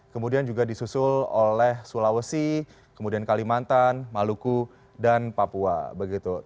kemudian juga disusul oleh sulawesi kemudian kalimantan maluku dan papua begitu